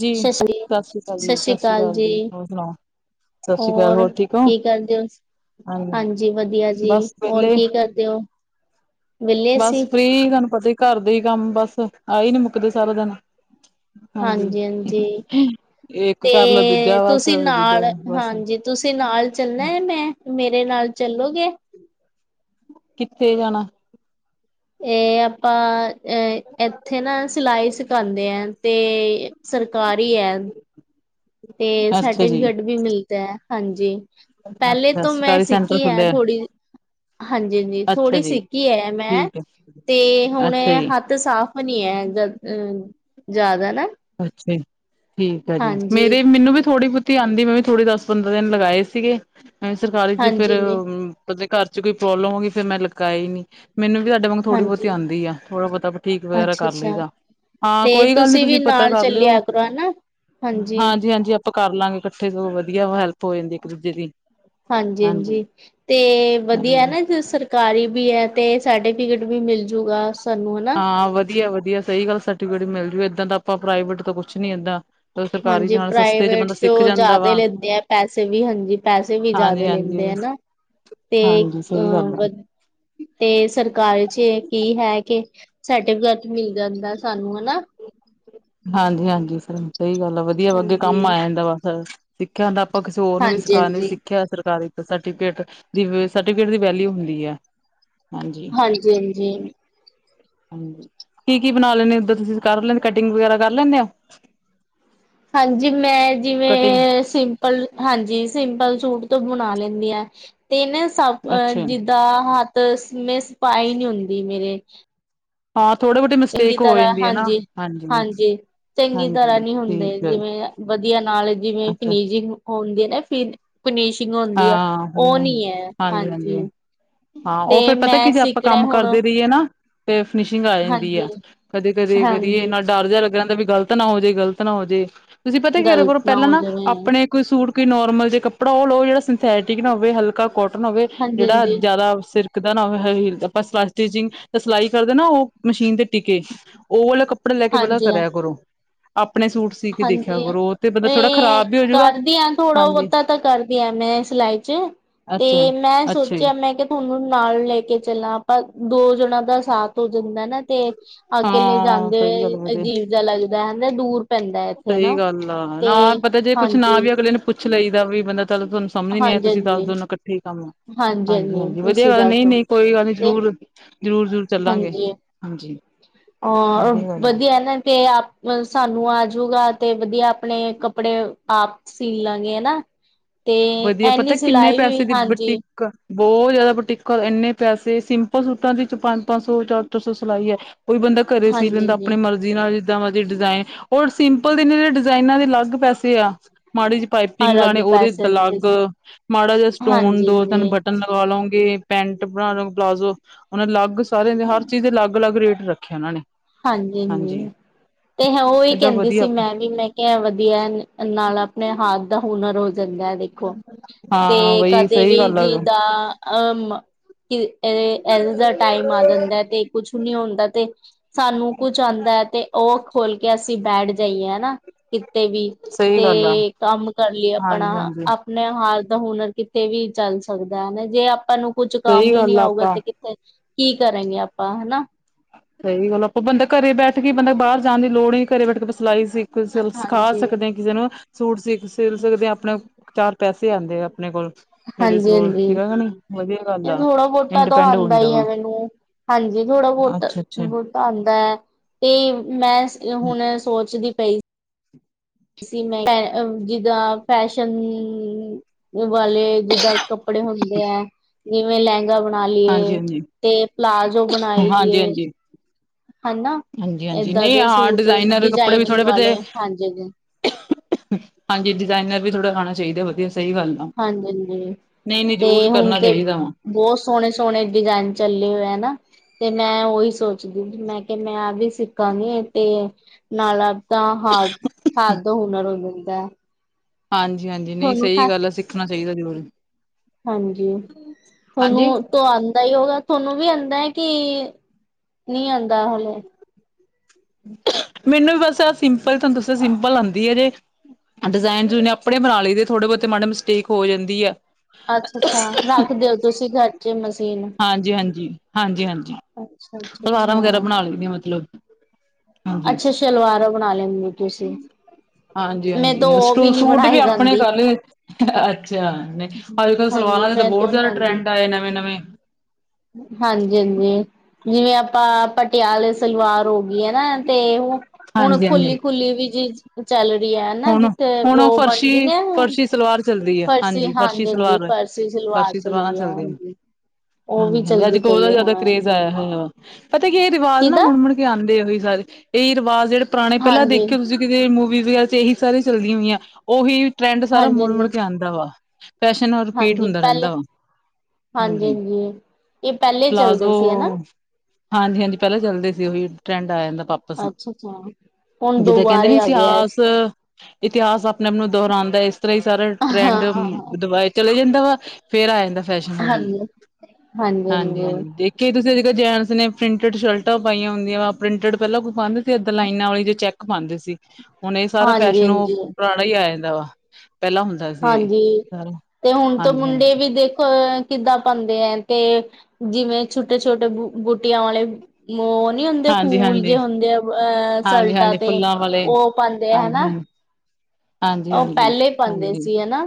ਜੀ ਸਤਿ ਸ਼੍ਰੀ ਅਕਾਲ ਜੀ ਸਤਿ ਸ਼੍ਰੀ ਅਕਾਲ ਜੀ ਹੋਰ ਸੁਣਾਓ? ਸਤਿ ਸ੍ਰੀ ਅਕਾਲ ਹੋਰ ਠੀਕ ਓ? ਕੀ ਕਰਦੇ ਹੋ? ਹਾਂ ਹਾਂਜੀ ਵਧੀਆ ਜੀ ਬੱਸ ਹੋਰ ਵੇਹਲੇ। ਕੀ ਕਰਦੇ ਹੋ ਵਿਹਲੇ ਸੀ? ਬਸ ਫ੍ਰੀ ਤੁਹਾਨੂੰ ਪਤਾ ਘਰ ਦੇ ਈ ਕੰਮ ਬਸ ਆਈ ਨੀ ਮੁੱਕਦੇ ਸਾਰਾ ਦਿਨ। ਹਾਂਜੀ ਹਾਂਜੀ ਇੱਕ ਕਰ ਲ ਤੇ ਦੂਜਾ ਬਸ ਤੁਸੀਂ ਦੂਜਾ ਨਾਲ ਬਸ ਹਾਂਜੀ ਤੁਸੀਂ ਨਾਲ ਚੱਲਣਾ ਮੈਂ ਮੇਰੇ ਨਾਲ ਚੱਲੋਗੇ? ਕਿੱਥੇ ਜਾਣਾ? ਏ ਆਪਾਂ ਅ ਇੱਥੇ ਨਾ ਸਿਲਾਈ ਸਿਖਾਂਦੇ ਆ ਤੇ ਸਰਕਾਰੀ ਐ। ਤੇ ਅੱਛਾ ਜੀ ਸਰਟੀਫਿਕੇਟ ਵੀ ਮਿਲਦਾ ਹਾਂਜੀ। ਪਹਿਲੇ ਅੱਛਾ ਤੋਂ ਮੈਂ ਸਰਕਾਰੀ ਸੈਂਟਰ ਸਿੱਖੀ ਆ ਖੁੱਲਿਆ ਥੋੜ੍ਹੀ ਹਾਂਜੀ ਹਾਂਜੀ ਅੱਛਾ ਥੋੜ੍ਹੀ ਜੀ ਸਿੱਖੀ ਐ ਮੈਂ ਠੀਕ ਹੈ ਤੇ ਹੁਣ ਅੱਛਾ ਜੀ ਹੱਥ ਸਾਫ਼ ਓਹ ਨੀ ਐ ਹੈ ਜ਼ਿਆਦਾ ਨਾ ਅੱਛਾ ਠੀਕ ਆ ਜੀ ਹਾਂਜੀ ਮੇਰੇ ਮੈਨੂੰ ਵੀ ਥੋੜੀ ਤੇ ਆਂਦੀ ਮੈਂ ਵੀ ਥੋੜੀ ਦਸ ਪੰਦਰਾਂ ਦਿਨ ਲਗਾਏ ਸੀਗੇ ਮੈਂ ਸਰਕਾਰੀ ਚ ਫਿਰ ਹਾਂਜੀ ਜੀ ਫਿਰ ਜੇ ਘਰ ਚ ਕੋਈ ਪ੍ਰੋਬਲਮ ਹੋ ਗਈ ਫਿਰ ਮੈਂ ਲਗਾਏ ਨੀ। ਮੈਨੂੰ ਵੀ ਤੁਹਾਡੇ ਵਾਂਗ ਥੋੜ੍ਹੀ ਬਹੁਤੀ ਹਾਂਜੀ ਆਂਦੀ ਆ ਥੋੜਾ ਬਹੁਤਾ ਠੀਕ ਵਗੈਰਾ ਅੱਛਾ ਕਰ ਲਈ ਅੱਛਾ ਦਾ ਹਾਂ ਤੇ ਕੋਈ ਗੱਲ ਨੀ ਵੀ ਤੁਸੀਂ ਪਤਾ ਨਾਲ ਕਰ ਲਿਓ ਚੱਲਿਆ ਕਰੋ ਹਨਾ ਹਾਂਜੀ ਹਾਂਜੀ। ਆਪਾਂ ਕਰ ਲਾਂਗੇ ਇਕੱਠੇ ਸਗੋਂ ਵਧੀਆ ਹੈਲਪ ਹੋ ਜਾਂਦੀ ਆ ਇੱਕ ਦੂਜੇ ਦੀ। ਹਾਂਜੀ -ਹਾਂਜੀ ਤੇ ਵਧੀਆ ਹੂੰ ਨਾ ਸਰ ਕਾਹਲੀ ਵੀ ਹੈ ਤੇ, ਸਰਟੀਫਿਕੇਟ ਵੀ ਮਿਲ ਜੂਗਾ ਸਾਨੂੰ ਹੁਣ ਹਾਂ, ਵਧੀਆ -ਵਧੀਆ ਸਹੀ ਗੱਲ ਸਰਟੀਫਿਕੇਟ ਮਿਲ ਜਾਉਗਾ ਏਦਾਂ ਤਾਂ ਆਪਾਂ ਪ੍ਰਾਈਵੇਟ ਤਾਂ ਕੁੱਛ ਨੀ ਏਦਾਂ ਸਰਕਾਰੀ ਚ ਹਾਂਜੀ, ਨਾਲ ਸਸਤੇ ਪ੍ਰਾਈਵੇਟ ਬੰਦਾ ਚ ਸਿੱਖ ਜਾਂਦਾ ਜਿਆਦਾ ਵਾ ਲੈਂਦੇ ਆ, ਪੈਸੇ ਵੀ ਹਾਂਜੀ, ਪੈਸੇ ਵੀ ਜ਼ਿਆਦਾ ਲੈਂਦੇ ਹਾਂਜੀ-ਹਾਂਜੀ। ਆ ਤੇ ਹਾਂਜੀ ਅ ਸਹੀ ਗੱਲ ਆ ਵ ਤੇ, ਸਰਕਾਰ ਚ ਕੀ ਹੈ ਕਿ, ਸਰਟੀਫਿਕੇਟ ਮਿਲ ਜਾਂਦਾ ਸਾਨੂੰ ਹਨਾ ਹਾਂਜੀ- ਹਾਂਜੀ ਸਰ ਸਹੀ ਗੱਲ ਆ ਵਧੀਆ ਵਾ, ਅੱਗੇ ਹਾਂਜੀ, ਕੰਮ ਆਇਆ ਜਾਂਦਾ ਵੇ ਸ ਸਿੱਖਿਆ ਹੁੰਦਾ ਆਪਾਂ, ਕਿਸੇ ਹੋਰ ਨੂੰ ਵੀ ਸਿਖਾ ਵੀ ਹਾਂਜੀ-ਹਾਂਜੀ, ਸਿੱਖਿਆ ਸਰਕਾਰੀ ਤੇ ਸਰਟੀਫਿਕੇਟ-ਸਰਟੀਫਕੇਟ ਦੀ ਵੇਲੀਓ ਹੁੰਦੀ ਆ ਹਾਂਜੀ ਹਾਂਜੀ-ਹਾਂਜੀ। ਹਾਂਜੀ, ਕੀ -ਕੀ ਬਣਾ ਲੈਣੇ, ਓਦਾਂ ਤੁਸੀਂ ਕਰ ਲ ਕੱਢ ਡਰਿਕ ਵਗੈਰਾ, ਕਰ ਲੈਂਦੇ ਔ ਹਾਂਜੀ, ਮੈਂ ਕਟਿੰਗ ਜਿਵੇਂ ਸੀਂ, ਹਾਂਜੀ, ਸਿੰਪਲ ਸੂਟ ਤੋਂ ਬਣਾ ਲੈਂਦੀ ਆ, ਤੇ ਨਾ ਸਭ ਅੱਛਾ ਜ ਦਾ ਹੱਥ ਮੇਰੇ, ਸਫਾਈ ਨਹੀਂੀ ਹੁੰਦੀ ਮੇਰੇ ਹਾਂ ਥੋੜੇ ਬਹੁਤੇ ਚੰਗੀ ਮਿਸਟੇਕ ਹੋ ਤਰ੍ਹਾਂ, ਜਾਂਦੀ ਹੈ ਨਾ ਹਾਂਜੀ- ਹਾਂਜੀ ਚੰਗੀ ਹਾਂਜੀ ਤਰ੍ਹਾਂ, ਨਹੀਂ ਹੁੰਦੇ ਠੀਕ ਹੈ ਜਿਵੇਂ ਵਧੀਆ ਨਾਲ ਜਿਵੇਂ, ਅੱਛਾ ਫਿਨਿਜਿੰਗ ਹੁੰਦੀ ਨਾ ਫ ਫਨੀਸ਼ਿੰਗ ਹੁੰਦੀ ਹੈ, ਹਾਂ ਉਹ ਨੀ ਹੈ ਹਾਂਜੀ ਹਾਂ, ਉਹ ਤੇ ਫੇਰ ਪਤਾ ਮੈਂ ਕਿ, ਜੇ ਆਪਾਂ ਸਿੱਖਣਾ ਕੰਮ ਹੁਣ ਕਰਦੇ ਰਹੀਏ ਨਾ ਤੇ, ਫਿਨਿਸ਼ਿੰਗ ਆ ਜਾਂਦੀ ਹਾਂਜੀ, ਹੈ ਕਦੇ- ਕਦੇ ਕਰੀਏ ਹਾਂਜੀ ਇੰਨਾ ਡਰ ਜਿਹਾ ਲੱਗ ਰਹਿੰਦਾ, ਵੀ ਗ਼ਲਤ ਨਾ ਹੋ ਜਾਏ ਗ਼ਲਤ ਨਾ ਹੋ ਜੇ ਤੁਸੀਂ ਪਤਾ, ਕਿਵੇ ਕਰਿਆ ਕਰੋ ਗ਼ਲਤ ਪਹਿਲਾਂ ਹੋ ਨਾ ਜਾਵੇ ਆਪਣੇ ਕੋਈ ਸੂਟ, ਕੋਈ ਨੋਰਮਲ ਜੇ ਕੱਪੜਾ ਲਓ, ਜਿਹੜਾ ਸੰਥੈਟਿਕ ਨਾ ਹੋਵੇ ਹਲਕਾ ਕੋਟਨ ਹੋਵੇ, ਜਿਹੜਾ ਹਾਂਜੀ-ਹਾਂਜੀ। ਜ਼ਿਆਦਾ ਸਿਰ ਤਿਲਕਦਾ ਨਾ ਹੋਵੇ, ਬਸ ਆਂਟੀ ਜੀ ਸਿਲਾਈ ਕਰਦੇ ਨਾ, ਉਹ ਮਸ਼ੀਨ ਤੇ ਟਕੇ ਉਹ ਵਾਲਾ, ਕੱਪੜਾ ਲੈ ਕੇ ਪਹਿਲਾ ਹਾਂਜੀ ਹਾਂ ਕਰਿਆ ਕਰੋ, ਆਪਣੇ ਸੂਟ ਸੀ ਕਿ ਦੇਖਿਆ ਹਾਂਜੀ ਕਰੋ, ਉਹ ਤੇ ਬੰਦਾ ਥੋੜਾ ਖ਼ਰਾਬ, ਵੀ ਹੋਜੂਗਾ ਹਾਂਜੀ ਪਤਾ ਕਰਦੀ ਹ ਮੈਂ ਸਿਲਾਈ ਚ, ਅੱਛਾ ਤੇ ਮੈਂ ਅੱਛਾ ਜੀ ਸੋਚਿਆ ਮੈਂ ਕਿ ਉਨੂੰ ਨਾਲ ਲੈ ਕੇ ਚੱਲਾਂ, ਆਪਾਂ ਦੋ ਜਣਾ ਦਾ ਸਾਥ ਹੋ ਜਾਂਦਾ ਨਾ ਤੇ ਅਕੇਲੇ ਹਾਂ ਜਾਂਦੇ ਸਹੀ ਹੋਏ, ਗੱਲ ਵਧੀਆ ਅਜੀਬ ਜਿਹਾ ਲੱਗਦਾ ਹੈ ਨਾ ਦੂਰ ਪੈਂਦਾ ਇੱਥੇ ਸਹੀ ਨਾ ਗੱਲ ਆ, ਤੇ ਨਾ ਪਤਾ ਜੇ ਕੁੱਛ ਨਾ, ਹਾਂਜੀ ਵੀ ਅਗਲੇ ਨੇ ਪੁੱਛ ਲਈ ਦਾ ਵੀ, ਬੰਦਾ ਚਲ ਤੁਹਾਨੂੰ ਸਮਝ ਨਈ ਆ ਹਾਂਜੀ ਤੁਸੀਂ ਦੱਸ ਹਾਂਜੀ ਦੋ ਨਾ ਇਕੱਠੇ ਹੀ ਕੰਮ, ਹਾਂਜੀ- ਹਾਂਜੀ ਵਧੀਆ ਗੱਲ, ਨਹੀਂ -ਨਹੀਂ ਕੋਈ ਗੱਲ ਨਈ ਤੇ ਜਰੂਰ ਜ਼ਰੂਰ- ਜ਼ਰੂਰ ਚੱਲਾਂਗੇ, ਹਾਂਜੀ ਹਾਂਜੀ। ਅ, ਗੱਲ ਆ ਵਧੀਆ ਨਾ ਤੇ ਆਪ ਸਾਨੂੰ ਆ ਜੂਗਾ, ਤੇ ਵਧੀਆ ਆਪਣੇ ਕੱਪੜੇ ਆਪ ਸੀ ਲਾਂਗੇ ਹਨ ਤੇ, ਵਧੀਆ ਪਤਾ ਇਨੀ ਕਿੰਨੇ ਸਿਲਾਈ ਪੈਸੇ ਵੀ ਦੀ ਹਾਂਜੀ ਬੁਟੀਕ ਬਹੁਤ ਜਿਆਦਾ, ਬੁਟੀਕਾ ਇੰਨੇ ਪੈਸੇ ਸਿੰਪਲ ਸੂਟਾਂ ਦੇ ਚ ਪੰਜ -ਪੰਜ ਸੌ ਚਾਰ -ਚਾਰ ਸੌ ਸਿਲਾਈ ਹੈ ਕੋਈ ਬੰਦਾ, ਘਰੇ ਸੀ ਹਾਂਜੀ ਲੈਂਦਾ ਜੀ ਆਪਣੇ ਮਰਜ਼ ਜਿਦਾ ਜਿੱਦਾਂ ਮਰਜ਼ੀ ਡਿਜ਼ਾਇਨ, ਹੋਰ ਸਿੰਪਲ ਦੇ- ਦੇ ਡਿਜ਼ਾਇਨਾਂ ਦੇ, ਅਲੱਗ ਪੈਸੇ ਆ ਮਾੜੀ ਜਿਹੀ ਪਾਈਪਿੰਗ ਅਲੱਗ ਲਾਗਾਣੀ ਉਹਦੇ ਦ ਪੈਸੇ ਲੱਗ, ਸੀਗੇ ਮਾੜਾ ਜਿਹਾ ਸਟੋਨ ਹਾਂਜੀ ਦੋ ਤਿੰਨ ਜੀ ਬਟ ਬਟਨ ਲਗਾ ਲਉਗੇ, ਪੈਂਟ ਬਣਾ ਲਉ, ਪਲਾਜ਼ੋ, ਉਹ ਅਲੱਗ ਸਾਰਿਆਂ ਦੇ ਹਰ ਚੀਜ਼ ਦੇ ਅਲੱਗ- ਅਲੱਗ ਰੇਟ ਰੱਖ ਖਿਆਨਾਂ ਨਈ ਹਾਂਜੀ -ਹਾਂਜੀ ਤੇ ਹ ਉਹੀ ਏਦਾਂ ਕਹਿੰਦੀ ਸੀ, ਵਧੀਆ ਮੈਂ ਨਈ ਮੈਂ ਵਧੀਆ, ਨਾਲ ਆਪਣੇ ਹੱਥ ਦਾ, ਹੁਨਰ ਹੋ ਦੰਦਾਂ ਦੇਖੋ ਤੇ ਹਾਂ ਬਈ ਕਦੇ ਸਹੀ ਵੀ ਗੱਲ ਜੀ ਆ ਦਾ ਅ ਮ ਇਹ ਇੰਜ ਦਾ ਟਾਈਮ, ਆ ਜਾਂਦਾ ਤੇ ਕੁਛ ਨੀ ਹੁੰਦਾ ਤੇ ਸਾਨੂੰ ਕੁੱਝ ਆਉਂਦਾ ਹੈ, ਤੇ ਉਹ ਖੋਲ ਕੇ ਅਸੀਂ ਬੈਠ ਜਾਈਏ, ਹਨਾ ਕਿਤੇ ਵੀ ਸਹੀ ਤੇ ਗੱਲ ਆ ਕੰਮ ਕਰ ਲਈਏ ਆਪਣਾ ਹਾਂਜੀ ਆਪ ਹਾਂਜੀ ਆਪਣੇ ਹਾਰ ਦਾ ਹੁਨਰ ਕਿੱਤੇ ਵੀ ਚੱਲ ਸਕਦਾ ਹਨਾ, ਜੇ ਆਪਾਂ ਨੂੰ ਕੁੱਝ ਕੰਮ ਸਹੀ ਹੀ ਨੀ ਗੱਲ ਆ ਆਊਗਾ ਆਪਾਂ ਤੇ ਕਿਥ ਤੇ ਕੀ ਕਰਾਂਗੇ ਆਪਾਂ ਹਨਾ? ਸਹੀ ਗੱਲ ਆਪਾਂ ਬੰਦਾ ਘਰੇ ਬੈਠ ਕੇ ਬੰਦਾ ਬਾਰ ਜਾਣ ਦੀ ਲੋੜ ਨੀ, ਘਰੇ ਬੈਠ ਕੇ ਪ ਸਲਾਈ ਸਿਖ ਸਲ ਸ ਸਿਖਾ ਹਾਂਜੀ ਸਕਦੇ ਆ ਕਿਸੇ ਨੂੰ ਸੂਟ ਸ ਸਿਲ ਸਕਦੇ ਆ, ਆਪਣੇ ਚਾਰ ਪੈਸੇ ਆਦੇ ਆ ਆਪਣੇ ਕੋਲ ਹਾਂਜੀ-ਹਾਂਜੀ। ਚਲੋ ਵਧੀਆ ਗੱਲ ਆ ਥੋੜਾ ਬੋਟਾਂ ਤੋਂ ਇੰਡੀਪੈਂਡ ਹੋ ਆਂਦਾ ਜਾਂਦਾ ਈ ਏ ਵਾ ਮੈਨੂੰ, ਹਾਂਜੀ ਥੋੜਾ ਬੋਤਾ ਅੱਛਾ ਅੱਛਾ ਬੋ ਆਦਾ ਐ ਤੇ ਮੈਂ ਹੁਣ ਸੋਚਦੀ ਪਈ ਸੀ ਮੈਂ ਜਿਦਾਂ ਫੈਸ਼ਨਨਨ ਓ ਵਾਲੇ ਜਿੱਦਾਂ ਕੱਪੜੇ ਹੁੰਦੇ ਐ। ਜਿਵੇਂ ਲਹਿੰਗਾ ਬਣਾ ਹਾਂਜੀ ਲਈਏ ਹਾਂਜੀ ਤੇ ਪਲਾਜ਼ੋ ਬਣਾਈ ਲਈਏ ਹਨਾ ਹਾਂਜੀ-ਹਾਂਜੀ, ਏਦਾਂ ਨਈ ਦੇ ਹਾਂ ਸੂਟ ਡਿਜ਼ਾਇਨਰ ਕੱਪੜੇ ਵੀ ਡਿਜ਼ਾਇਨਿੰਗ ਥੋੜੇ ਬੋਤੇ ਵਾਲੇ ਹਾਂਜੀ ਹਾਂਜੀ ਹਾਂਜੀ ਡਿਜ਼ਾਇਨਰ ਵੀ ਥੋੜ੍ਹਾ ਆਣਾ ਚਾਹੀਦਾ ਵਧੀਆ ਸਹੀ ਗੱਲ ਆ ਹਾਂਜੀ-ਹਾਂਜੀ ਨਹੀਂ ਨਹੀਂ ਤੇ ਜ਼ਰੂਰ ਹੁਣ ਕਰਨਾ ਤੇ ਚਾਹੀਦਾ ਵਾ ਬੋਤ ਸੋਹਣੇ ਸੋਹਣੇ ਡਿਜ਼ਾਇਨ ਚੱਲੇ ਹੋਏ ਆ ਨਾ ਤੇ ਮੈਂ ਓਹੀ ਸੋਚ ਮੈਂ ਕਿਹਾ ਮੈਂ ਆ ਵੀ ਸਿੱਖਾਂਗੀ ਤੇ ਨਾਲ ਅ ਤਾਂ ਹਾਰ ਹਾਥ ਦਾ ਹੁਨਰ ਹੋ ਜਾਂਦਾ ਐ। ਹਾਂਜੀ-ਹਾਂਜੀ ਨਈ ਸਹੀ ਗੱਲ ਆ। ਸਿੱਖਣਾ ਚਾਹੀਦਾ ਜ਼ਰੂਰ, ਹਾਂਜੀ। ਤੋ ਆਂਦਾ ਹੋਗਾ ਤੁਆਨੂੰ ਵੀ ਆਂਦਾ ਐ ਕਿ ਨੀ ਆਂਦਾ ਤੁਹਾਨੂੰ ਮੈਨੂੰ ਵੀ ਬਸ ਆ ਸਿੰਪਲ ਤੁਹਾਨੂੰ ਦੱਸੋ ਸਿੰਪਲ ਆਦੀ ਹੈ ਜੇ। ਡਿਜ਼ਾਇਨ ਡੁਜਾਇ ਆਪਣੇ ਬਣਾ ਲਈ ਦੇ ਥੋੜੇ ਬੋਤੇ ਮਾੜਾ ਮਿਸਟੇਕ ਹੋ ਜਾਂਦੀ ਐ। ਅੱਛਾ-ਅੱਛਾ ਰੱਖ ਦਿਓ ਤੁਸੀਂ ਘਰ ਚ ਮਸ਼ੀਨ ਹਾਂਜੀ-ਹਾਂਜੀ, ਹਾਂਜੀ-ਹਾਂਜੀ ਅੱਛਾ-ਅੱਛਾ-ਅੱਛਾ ਸਲਵਾਰਾਂ ਵਗੈਰਾ ਅੱਛਾ ਬਣਾ ਲੈਂਦੀਆਂ ਮਤਲਬ ਅੱਛਾ ਹਾਂਜੀ ਅੱਛਾ ਸ਼ਲਵਾਰਾਂ ਬਣਾ ਲੈਂਦੇ ਤੁਸੀਂ ਮੈਂ ਤਾਂ ਹਾਂਜੀ-ਹਾਂਜੀ ਉਹ ਸਟੂ ਨੀ ਸੂਟ ਵੀ ਬਣਾਈ ਆਪਣੇ ਜਾਂਦੀ ਕਲ ਅੱਛਾ ਨ, ਅੱਜ-ਕੱਲ ਹਾਂਜੀ ਸਲਵਾਰਾਂ ਦੇ ਤਾਂ ਮੈਂ ਬੋਤ ਤੋਂ ਨੀ ਜ਼ਆਦਾ ਆਉਂਦੀ ਟਰੈਂਡ ਆਏ ਨਵੇਂ-ਨਵੇਂ। ਹਾਂਜੀ-ਹਾਂਜੀ। ਜਿਵੇਂ ਆਪਾਂ ਪਟਿਆਲੇ ਸਲਵਾਰ ਹੋ ਗਈ ਹੈ ਨਾ ਤੇ ਓ ਹੁਣ ਹਾਂਜੀ ਹਾਂਜੀ ਖੁਲੀ-ਖੁਲੀ ਵੀ ਜਿ ਚੱਲ ਰਹੀ ਐ ਹੈਨਾ ਹੁਣ ਜਿੱਥੇ ਹੁਣ ਉਹ ਓ ਫਰਸ਼ੀ ਬਣਦੀਆਂ ਹੁਣ ਫਰਸ਼ੀ ਸਲਵਾਰ ਚੱਲਦੀ ਹੈ ਫਰਸੀ ਹਾਂਜੀ ਫਰਸ਼ੀ ਹਾਂਜੀ-ਹਾਂਜੀ ਸਲਵਾਰ ਫਰਸੀ ਸਲਵਾਰ ਚਲ ਰਹੀਆਂ ਹਾਂਜੀ। ਉਹ ਵੀ ਹਾਂਜੀ ਹਾਂਜੀ ਅੱਜ ਚੱਲਦੀ ਕਲ ਪਈ ਓਦਾ ਹੈ ਜ਼ਆਦਾ ਹੁਣ ਕਰੇਜ਼ ਆਯਾ ਹੋਯਾ ਵਾ ਪਤਾ ਕੀ ਇਹ ਰਿਵਾਜ਼ ਨਾ ਕਿਦਾ ਮੁੜ-ਮੁੜ ਕੇ ਆਦੇ ਏ ਵੀ ਸਾਰੇ ਏਹੀ ਰਿਵਾਜ਼ ਜੇੜੇ ਪੁਰਾਣੇ ਪੈਲਾ ਹਾਂਜੀ ਦੇਖ ਹੋ ਤੁਸੀਂ ਕਿ ਮੂਵੀਜ਼ ਵਗੈਰਾ ਏਹੀ ਸਾਰ ਚੱਲਦੀਆਂ ਹੋਈਆਂ ਓਹੀ ਟਰੈਂਡ ਸਾਰਾ ਹਾਂਜੀ-ਹਾਂਜੀ ਮੁੜ-ਮੁੜ ਹਾਂਜੀ ਕੇ ਆਦਾ ਵਾ ਫੈਸ਼ਨ ਨਾ ਰਿਪੀਟ ਹਾਂਜੀ ਹੁੰਦਾ ਪਹਿਲੇ ਰੇਨਦਾ ਵਾ। ਹਾਂਜੀ ਹਾਂਜੀ-ਹਾਂਜੀ ਇਹ ਪਹਿਲੇ ਪਲਾਜ਼ੋ ਚੱਲਦੇ ਸੀ ਹਨਾ ਹਾਂਜੀ-ਹਾਂਜੀ ਪੈਲਾ ਚੱਲਦੇ ਸੀ ਓਹੀ ਟਰੈਂਡ ਆਯਦਾ ਜਾਂਦਾ ਪਾ। ਅੱਛਾ-ਅੱਛਾ ਹੁਣ ਜਿੱਦਾਂ ਕੇਦੇ ਨੀ ਦੁਬਾਰੇ ਆ ਗਿਆ ਇਤਿਹਾਸ ਇਤਿਹਾਸ ਆਪਣੇ ਆਪ ਨੂੰ ਦੁਹਰਾਦਾ, ਇਸ ਤਰਾਂ ਹੀ ਸਾਰਾ ਟਰੈਂਡ ਹਾਂ ਵਾਏ ਚਲੇ ਜਾਂਦਾ ਵਾ ਫੇਰ ਆ ਜਾਂਦਾ ਫੈਸ਼ਨ ਓਹੀ ਹਾਂਜੀ-ਹਾਂਜੀ-ਹਾਂਜੀ ਹਾਂਜੀ-ਹਾਂਜੀ ਦੇਖ ਕੀ ਤੁਸੀਂ ਜਿ ਜੈਂਟਸ ਨੇ ਪ੍ਰਿੰਟਡ ਸ਼ਰਟਾਂ ਪਾਈਆਂ ਹੁੰਆਂ ਵਾ ਪ੍ਰਿੰਟਡ ਪੇਲਾ ਕੋਈ ਪਾਦੇ ਸੀਗੇ ਲਾਈਨਾਂ ਵਾਲੀ ਜੇ ਚੈੱਕ ਮਾਂਦੇ ਸੀ ਹੁਣ ਇਹ ਸਾਰਾ ਫੈਸ਼ਨ ਓ ਹਾਂਜੀ-ਹਾਂਜੀ ਪਰਾਣਾ ਹੀ ਆ ਜਾਂਦਾ ਵਾ ਪੈਲਾ ਹੁਨ ਹਾਂਜੀ ਤੇ ਹੁਣ ਤਾਂ ਹਾਂਜੀ-ਹਾਂਜੀ, ਮੁੰਡੇ ਵੀ ਦੇਖੋ ਅ ਕਿੱਦਾਂ ਪਾਦੇ ਏ ਤੇ ਜਿਵੇਂ ਛੋਟੇ-ਛੋਟੇ ਬ ਬੂਟੀਆਂ ਵਾਲੇ ਉਹ ਨਹੀਂ ਹੁੰਦੇ ਫੂਲ ਜੇ ਹਾਂਜੀ-ਹਾਂਜੀ, ਹੁੰਦੇ ਆ ਅਹ ਸਲਟਾਂ ਹਾਂਜੀ-ਹਾਂਜੀ ਤੇ ਫੁੱਲਾਂ ਵਾਲੇ ਉਹ ਪਾਉਂਦੇ ਹਨਾ ਹਾਂਜੀ-ਹਾਂਜੀ, ਹਾਂਜੀ ਉਹ ਹਾਂਜੀ ਪਹਿਲੇ ਪਾਉਂਦੇ ਹਾਂਜੀ ਸੀ ਹਨਾ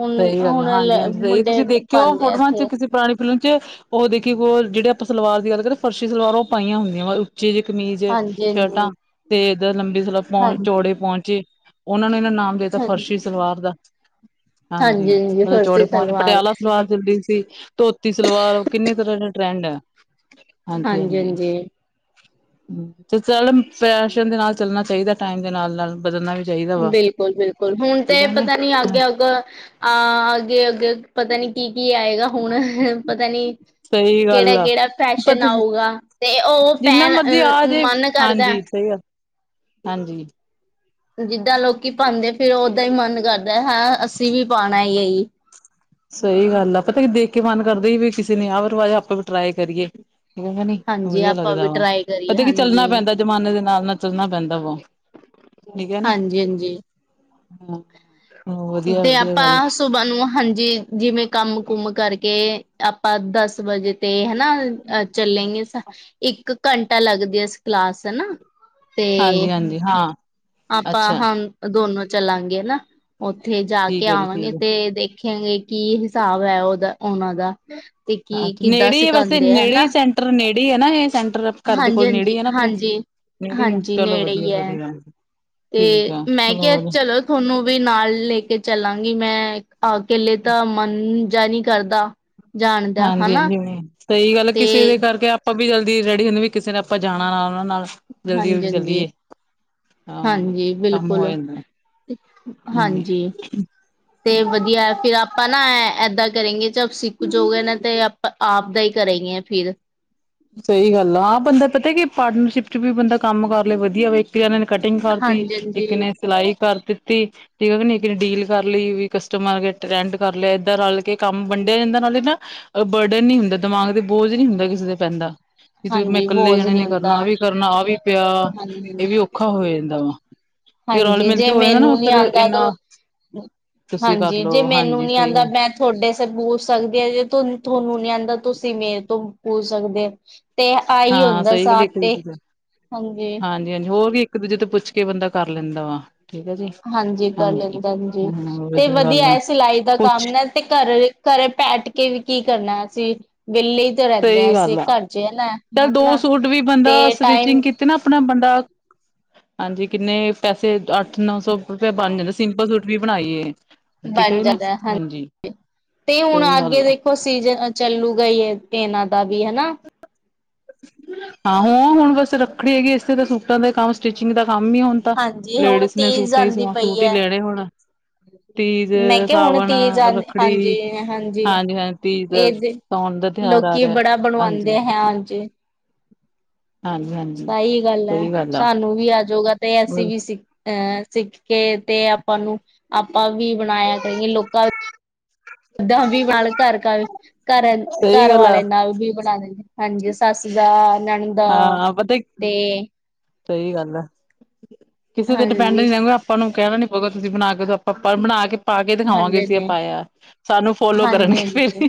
ਹੁਣ ਸਹੀ ਗੱਲ ਹੁਣ ਹਾਂਜੀ ਹਾਂਜੀ ਸਹੀ ਮੁੰਡੇ ਤੁਸੀਂ ਦੇਖਿਓ ਪਾਉਂਦੇ ਆ ਫੋਟੋਆਂ ਚ ਇੱਥੇ ਕਿਸੇ ਪੁਰਾਣੀ ਫਿਲਮ ਚ, ਉਹ ਦੇਖੀ ਜਿਹੜੇ ਆਪਾਂ ਸਲਵਾਰ ਦੀ ਗੱਲ ਕਰਦੇ ਫਰਸ਼ੀ ਸਲਵਾਰ ਉਹ ਪਾਈਆਂ ਹੁੰਦੀਆਂ ਵਾ ਉੱਚੀ ਜ ਕਮੀਜ਼ ਹਾਂਜੀ ਸ਼ਰਟਾਂ ਹਾਂਜੀ ਤੇ ਏਧਰ ਲੰਬੀ ਸਲਵਾਰ ਪਹ ਹਾਂਜੀ ਚੌੜੇ ਪੌਂਚੇ। ਉਹਨਾਂ ਨੇ ਇਹਨਾਂ ਨਾਮ ਦੇਤਾ ਹਾਂਜੀ ਫਰਸ਼ੀ ਸਲਵਾਰ ਦਾ ਹਾਂਜੀ ਮਤਲਬ ਚੌੜੇ ਪੌਂਚੇ ਪਟਿਆਲਾ ਸਲਵਾਰ ਚੱਲਦੀ। ਧੋਤੀ ਸਲਵਾਰ ਕਿੰਨੇ ਤਰ੍ਹਾਂ ਦਾ ਟ੍ਰੈਂਡ ਹੈ। ਹਾਂਜੀ, ਹਾਂਜੀ। ਤੇ ਚੱਲ ਫੈਸ਼ਨ ਦੇ ਨਾਲ ਚੱਲਣਾ ਚਾਹੀਦਾ, ਟਾਈਮ ਦੇ ਨਾਲ ਨਾਲ ਬਦਲਣਾ ਵੀ ਚਾਹੀਦਾ ਵਾ ਬਿਲਕੁਲ, ਬਿਲਕੁਲ ਹੁਣ ਠੀਕ ਤੇ ਆ ਨੇ ਪਤਾ ਨੀ ਹਾਂ, ਅੱਗੇ ਅਗ। ਅਹ ਅੱਗੇ ਅੱਗੇ ਪਤਾ ਨੀ ਕੀ ਕੀ ਆਏਗਾ, ਹੁਣ ਪਤਾ ਨੀ। ਸਹੀ ਕਿਹੜਾ ਗੱਲ ਆ ਕਿਹੜਾ ਫੈਸ਼ਨ ਪਤਾ ਆਊਗਾ, ਤੇ ਉਹ ਜਿੰਨਾ ਪੈਣ ਮਰਜੀ ਆ ਅ ਜੇ ਮਨ ਕਰਦਾ। ਹਾਂਜੀ ਸਹੀ ਆ ਹਾਂਜੀ ਜਿੱਦਾਂ ਲੋਕੀ ਪਾਉਂਦੇ ਫਿਰ ਓਦਾਂ ਹੀ ਮਨ ਕਰਦਾ ਹੈਂ ਅਸੀਂ ਵੀ ਪਾਉਣਾ ਹੈ ਜਈ। ਸਹੀ ਗੱਲ ਆ ਪਤਾ ਕੀ ਦੇਖ ਕੇ ਮਨ ਕਰਦੇ ਸੀ ਵੀ ਕਿਸੇ ਨੇ ਆਹ ਰਵਾਜ਼ ਆਪਾਂ ਵੀ ਟਰਾਈ ਕਰੀਏ। ਠੀਕ ਹੈ ਨੀ ਹਾਂਜੀ ਵਧੀਆ ਆਪਾਂ ਵੀ ਲੱਗਦਾ ਵਾ ਟਰਾਈ ਕਰੀਏ ਪਤਾ ਕੀ ਹਾਂਜੀ ਚੱਲਣਾ ਪੈਂਦਾ। ਜਮਾਨੇ ਦੇ ਨਾਲ ਨਾਲ ਚੱਲਣਾ ਪੈਂਦਾ ਵਾ। ਠੀਕ ਹੈ ਨਾ। ਹਾਂਜੀ ਹਾਂਜੀ ਹੂੰ ਤੇ ਆਪਾਂ ਸੁਬਾਹ ਨੂੰ ਹਾਂਜੀ ਜਿਵੇਂ ਕੰਮ ਕੁਮ ਕਰਕੇ। ਆਪਾਂ ਦਸ ਵਜੇ ਤੇ ਹਨਾ ਅ ਚੱਲੇਗੇ। ਇੱਕ ਘੰਟਾ ਲੱਗਦੀ ਹੈ, ਕਲਾਸ ਹਨਾ। ਤੇ, ਹਾਂਜੀ ਹਾਂਜੀ ਹਾਂ ਆਪਾਂ ਅੱਛਾ ਹੁਣ। ਦੋਨੋ ਚੱਲਾਂਗੇ ਹਨਾ, ਉੱਥੇ ਜਾ ਕੇ ਠੀਕ ਹੈ ਜੀ ਆਵਾਂਗੇ ਠੀਕ ਤੇ ਹੈ ਦੇਖੇਗੇ। ਕੀ ਹਿਸਾਬ ਹੈ, ਉਹਦਾ ਉਹਨਾਂ ਦਾ ਤੇ ਕੀ ਅੱਛਾ ਕਿੱਦਾਂ ਨੇੜੇ ਹੀ ਵੈਸੇ ਸਿਖਾਉਂਦੇ ਆ ਨੇੜੇ ਹੈਨਾ। ਹੀ ਸੈਂਟਰ ਨੇੜੇ ਹੈ ਨਾ ਇਹ ਸੈਂਟਰ ਘਰ ਦੇ ਹਾਂਜੀ ਕੋਲ ਨੇੜੇ ਹਾਂਜੀ, ਹੀ ਹੈ ਨਾ ਆਪਣੇ ਹਾਂਜੀ, ਨੇੜੇ ਹੀ ਆ ਹਾਂਜੀ ਚਲੋ ਨੇੜੇ ਵਧੀਆ ਹੀ ਹੈ। ਵਧੀਆ ਠੀਕ ਤੇ ਆ ਮੈਂ ਕਿਹਾ ਵਧੀਆ ਚਲੋ। ਤੁਹਾਨੂੰ ਵੀ ਨਾਲ ਲੈ ਕੇ ਚੱਲਾਂਗੀ ਮੈਂ ਅਕੇਲੇ ਤਾਂ ਮੰਨ ਜਾ ਨਹੀਂ ਕਰਦਾ। ਜਾਣ ਦਾ ਹਾਂਜੀ ਹਨਾ ਹਾਂਜੀ ਸਹੀ ਗੱਲ ਤੇ ਕਿਸੇ ਦੇ ਕਰਕੇ। ਆਪਾਂ ਵੀ ਜਲਦੀ ਰੈਡੀ ਹੁੰਦੇ ਵੀ, ਕਿਸੇ ਨੇ ਆਪਾਂ ਜਾਣਾ ਨਾਲ ਉਹਨਾਂ ਨਾਲ। ਜਲਦੀ ਹਾਂਜੀ ਜਲਦੀ ਹਾਂਜੀ ਚੱਲੀਏ ਹਾਂ, ਹਾਂਜੀ ਕੰਮ ਹੋ ਬਿਲਕੁਲ ਜਾਂਦਾ ਨੇ। ਹਾਂਜੀ। ਤੇ ਵਧੀਆ ਫਿਰ ਆਪਾਂ ਨਾ ਏਦਾਂ ਕਰੇਗੇ, ਜਬ ਸਿੱਖ ਜੋ ਗਏ ਨਾ ਤੇ ਆਪਾਂ। ਆਪ ਦਾ ਹੀ ਕਰੇਗੀਆਂ ਫਿਰ ਸਹੀ ਗੱਲ ਆ ਆਹ ਬੰਦਾ ਪਤਾ ਕਿ, ਪਾਰਟਨਰਸ਼ਿਪ ਚ ਵੀ ਬੰਦਾ ਕੰਮ ਕਰ ਲੇ ਵਧੀਆ ਵ। ਇਕ ਨੇ ਕਟਿੰਗ ਕਰਤੀ ਹਾਂਜੀ ਇੱਕ ਹਾਂਜੀ ਨੇ ਸਿਲਾਈ ਕਰ ਦਿੱਤੀ। ਠੀਕ ਹੈ ਕਿ ਨਹੀਂ ਕਿਸੇ ਡੀਲ ਕਰ ਲਈ, ਵੀ ਕਸਟਮਰ ਆ ਗਏ ਟਰੈਂਡ ਕਰ ਲਿਆ ਏਦਾਂ ਰਲ ਕੇ ਕੰਮ ਵੰਡਿਆ ਜਾਂਦਾ ਨਾਲੇ ਨਾ। ਮਤਲਬ ਬਰਡਨ ਨਹੀਂ ਹੁੰਦਾ, ਦਿਮਾਗ ਤੇ ਬੋਝ ਨਹੀਂ ਹੁੰਦਾ ਕਿਸੇ ਤੇ ਪੈਂਦਾ। ਵੀ ਫਿਰ ਮੈਂ ਹਾਂਜੀ ਕੱਲੇ ਬੋਝ ਜਾਣੇ ਨਹੀਂ ਨੀ ਕਰਨਾ, ਹੁੰਦਾ ਆਹ ਵੀ ਕਰਨਾ, ਆਹ ਵੀ ਪਿਆ ਹਾਂਜੀ ਇਹ ਵੀ ਹਾਂਜੀ ਔਖਾ ਹੋ ਜਾਂਦਾ ਵਾ। ਰਲ ਹਾਂਜੀ ਮਿਲ ਕੇ ਜੇ ਹੋ ਜਾਂਦਾ ਨਾ ਮੈਨੂੰ ਨੀ ਫਿਰ ਆਉਂਦਾ ਇੰਨਾ ਤਾਂ ਤੁਸੀਂ ਹਾਂਜੀ ਕਰਲੋ ਜੇ ਮੈਨੂੰ ਹਾਂਜੀ ਨੀ ਸਹੀ ਆਉਂਦਾ ਗੱਲ ਮੈਂ ਤੁਹਾਡੇ ਪੁੱਛ ਸਕਦੇ ਆ, ਜੇ ਤੁਹਾਨੂੰ ਨੀ ਆਉਂਦਾ ਤੁਸੀਂ ਮੇਰੇ ਤੋਂ ਪੂਛ ਸਕਦੇ। ਤੇ ਆਈ ਹਾਂ ਹੁੰਦਾ ਸਹੀ ਗੱਲ ਸਾਥ ਇੱਕ ਤੇ ਦੂਜੇ ਤੋਂ ਹਾਂਜੀ। ਹਾਂਜੀ ਹੋਰ ਵੀ ਇੱਕ ਦੂਜੇ ਤੋਂ ਪੁੱਛ ਕੇ ਬੰਦਾ ਕਰ ਲੈਂਦਾ ਵਾ। ਠੀਕ ਹੈ ਜੀ ਹਾਂਜੀ ਕਰ ਲੈਂਦਾ ਹਾਂਜੀ ਹਾਂ ਤੇ ਵਧੀਆ ਗੱਲ ਆ ਹੈ ਸਿਲਾਈ ਦਾ ਪੁੱਛ ਕੰਮ ਨਾ। ਤੇ ਘਰ ਘਰੇ ਬੈਠ ਕੇ ਵੀ ਕੀ ਕਰਨਾ ਅਸੀਂ ਵਿਹਲੇ ਰਹਿੰਦੇ ਹਾਂ ਸਹੀ ਅਸੀਂ ਗੱਲ ਆ ਘਰ ਜੇ ਨਾ ਹਨਾ ਤੇ ਟਾਈਮ ਤੇ ਨਾ ਆਪਣਾ ਬੰਦਾ ਹ ਹਾਂਜੀ, ਕਿੰਨੇ ਪੈਸੇ ਅੱਠ-ਨੌ ਸੌ ਰੁਪਏ ਬਣ ਜਾਂਦਾ ਸਿੰਪਲ ਸੂਟ ਵੀ ਬਣਾਈਏ। ਠੀਕ ਬਣ ਹੈ ਨਾ ਜਾਂਦਾ ਹਾਂ ਹਾਂਜੀ [unintelligible] ਤੇ ਹੁਣ ਸਹੀ ਅਗੇ ਗੱਲ ਆ ਦੇ [unintelligible] ਸੀਜਨ ਚੱਲੂਗਾਈ ਏ ਇਹਨਾਂ ਦਾ ਵੀ ਹਨਾ। ਹਾਂ ਹ ਹੁਣ ਬਸ ਰੱਖੜੀ ਹੈਗੀ ਇਸੇ ਤਾਂ ਸੂਟਾਂ ਦੇ ਕੰਮ ਸਟਿਚਿੰਗ ਦਾ ਕੰਮ ਹੀ ਹੁਣ। ਹਾਂਜੀ ਹੁਣ ਲੇਡੀਜ਼ ਨੇ ਤੀਜ ਸੂਟੇ ਹੀ ਆਂਦੀ ਪਈ ਸੂਟ ਹੀ ਹੈ ਲੈਣੇ ਹੁਣ। ਤੀਜ, ਮੈਂ ਕਿਹਾ ਹੁਣ ਸਾਵਣ, ਤੀਜ ਆ ਰੱਖੜੀ ਹਾਂਜੀ-ਹਾਂਜੀ ਹਾਂਜੀ-ਹਾਂਜੀ ਤੀਜ ਇਹਦੇ ਸਾਣ ਦਾ ਤਿਉਹਾਰ ਆ ਲੋਕੀ ਰਿਹਾ ਬੜਾ ਬਣਵਾਉਂਦੇ ਹਾਂਜੀ। ਹੈ ਹਾਂਜੀ। ਹਾਂਜੀ ਹਾਂਜੀ ਸਹੀ ਗੱਲ ਹੈ, ਸਹੀ ਆ ਸਾਨੂੰ ਵੀ ਆਜੋਗਾ ਤੇ ਐਸੀ ਵੀ ਸੀ ਅਹ ਸਿੱਖ ਕੇ ਤੇ ਆਪਾਂ ਨੂੰ ਆਪਾਂ ਵੀ ਬਣਾਇਆ ਕਰੀਏ, ਲੋਕਾਂ ਓਦਾਂ ਵੀ ਵਲ ਘਰ-ਘਰ ਸਹੀ ਗੱਲ ਆ ਘਰਵਾਲੇ ਨਾਲ ਬ ਬਣਾ ਦਿੰਦੇ ਹਾਂਜੀ। ਸੱਸ ਦਾ, ਨਨ ਦਾ ਹਾਂ ਪਤਾ ਤੇ ਸਹੀ ਗੱਲ ਹੈ, ਕਿਸੇ ਤੇ ਡਿਪੈਂਡ ਹਾਂਜੀ ਨੀ ਰਹਿੰਦਾ। ਆਪਾਂ ਨੂੰ ਕਹਿਣਾ ਨੀ ਪਉਗਾ ਤੁਸੀਂ ਬਣਾ ਕੇ ਆਪਾਂ ਬਣਾ ਕੇ ਪਾ ਕੇ ਦਿਖਾਵਾਂਗੇ ਹਾਂਜੀ ਅਸੀ ਇਹ ਹਾਂਜੀ ਪਾਇਆ ਸਾਨੂੰ ਫੋਲੋ ਕਰਨਗੇ ਫੇਰ। ਹਾਂਜੀ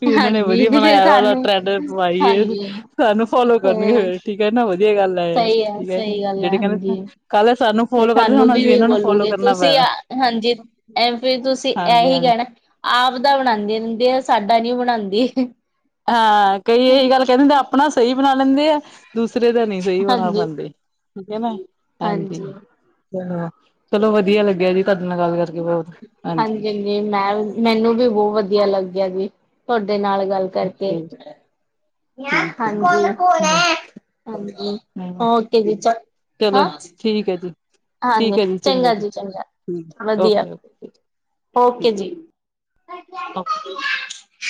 ਵੀ ਇਹਨਾਂ ਨੇ ਹਾਂਜੀ ਵਧੀਆ ਹਾਂਜੀ ਬਣਾਇਆ ਵ ਉਹਦਾ ਸਾਨੂੰ ਟਰੈਂਡ ਪਵਾਈਏ ਹਾਂਜੀ ਸਾਨੂੰ ਫੋਲੋ ਕਰਨਗੇ ਹਮ ਫਿਰ ਠੀਕ ਹੈ ਨਾ ਵਧੀਆ ਗੱਲ। ਸਹੀ ਠੀਕ ਹੈ ਜੀ ਸਹੀ ਗੱਲ ਹੈ ਜਿਹੜੇ ਕਹਿੰਦੇ ਹਾਂਜੀ ਕੱਲ ਸਾਨੂੰ ਤੇ ਫੋਲੋ ਕਰਦੇ ਸਾਨੂੰ ਹੁਣ ਵੀ ਅਸੀਂ ਵੀ ਇਹਨਾਂ ਨੂੰ ਫੋਲੋ ਬੋਲੂਗੇ ਕਰਨਾ ਤੁਸੀਂ ਪੈਣਾ। ਆ, ਹਾਂਜੀ, ਐ ਫ ਤੁਸੀਂ ਹਾਂਜੀ ਇਹੀ ਹਾਂਜੀ ਕਹਿਣਾ ਆਪ ਦਾ ਬਣਾਣਦੀ ਦਿੰਦੀ ਹੈ ਸਾਡਾ ਨੀ ਬਣਾਦੀ। ਹਾਂ ਕਈ ਇਹੀ ਗੱਲ ਕਹਿੰ ਦਿੰਦੇ ਆਪਣਾ ਸਹੀ ਬਣਾ ਲੈਂਦੇ ਆ ਦੂਸਰੇ ਦਾ ਨਈ ਸਹੀ ਬਣਾ ਹਾਂਜੀ ਪਾਂਦੀ ਠੀਕ ਹੈ ਨਾ ਹਾਂਜੀ। ਹ ਚਲੋ ਵਧੀਆ ਲੱਗਿਆ ਜੀ ਤੁਹਾਡੇ ਨਾਲ ਗੱਲ ਕਰਕੇ ਬਹੁਤ। ਹਾਂਜੀ ਹਾਂਜੀ-ਹਾਂਜੀ ਮੈਂ ਮੈਨੂੰ ਵੀ ਬਹੁਤ ਵਧੀਆ ਲੱਗਿਆ ਜੀ ਤੁਹਾਡੇ ਨਾਲ ਗੱਲ ਕਰਕੇ ਅੱਛਾ ਜੀ, ਠੀਕ ਹੈ ਜੀ, ਹਾਂਜੀ। ਹਾਂਜੀ ਹਾਂ ਓਕੇ ਜੀ ਚ ਚਲੋ ਹ ਠੀਕ ਹੈ ਜੀ। ਠੀਕ ਹੈ ਜੀ, ਚੰਗਾ ਜੀ, ਵਧੀਆ ਓਕੇ-ਓਕੇ ਓਕੇ ਠੀਕ ਹੈ। ਜੀ ਓਕੇ।